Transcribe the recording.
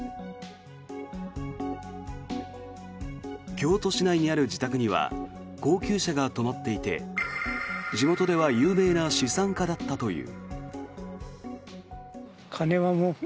京都市内にある自宅には高級車が止まっていて地元では有名な資産家だったという。